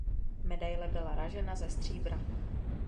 Medaile byla ražena ze stříbra.